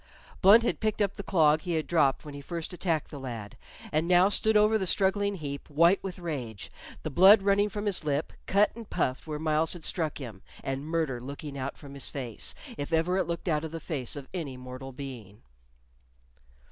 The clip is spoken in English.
Blunt had picked up the clog he had dropped when he first attacked the lad, and now stood over the struggling heap, white with rage, the blood running from his lip, cut and puffed where Myles had struck him, and murder looking out from his face, if ever it looked out of the face of any mortal being.